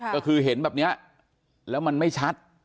ก็คือเห็นแบบนี้แล้วมันไม่ชัด